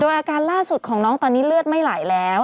อาการล่าสุดของน้องตอนนี้เลือดไม่ไหลแล้ว